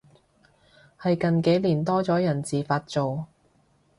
係近幾年多咗人自發做